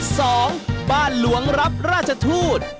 สองบ้านหลวงรับราชทูต